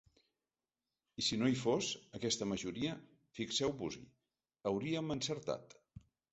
I si no hi fos, aquesta majoria, fixeu-vos-hi: hauríem encertat.